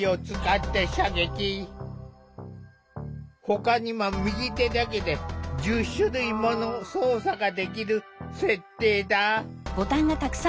ほかにも右手だけで１０種類もの操作ができる設定だ。